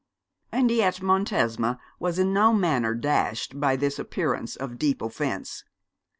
And yet Montesma was in no manner dashed by this appearance of deep offence.